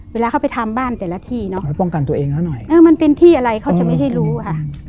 เวลาเขาไปทำบ้านแต่ละที่เนอะเออมันเป็นที่อะไรเขาจะไม่ใช่รู้ค่ะ